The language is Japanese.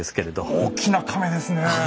大きな甕ですねえ。